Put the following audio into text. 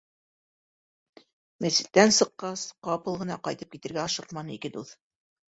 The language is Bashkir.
Мәсеттән сыҡҡас ҡапыл ғына ҡайтып китергә ашыҡманы ике дуҫ.